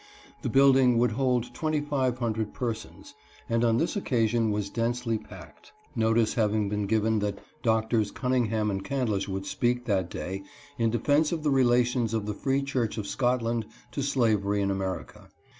The building would hold twenty five hundred persons, and on this occasion was densely packed, notice having been given that Doc tors Cunningham and Candlish would speak that day in defense of the relations of the Free Church of Scotland to slavery in America.